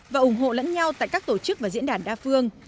và ủng hộ lẫn nhau tại các tổ chức và diễn đàn đa phương